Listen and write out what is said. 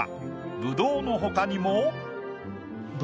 ぶどうのほかにも。